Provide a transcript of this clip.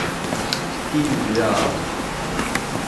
天主呀